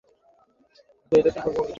বললাম না কাপড় খোল!